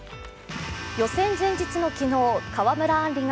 予選前日の昨日、川村あん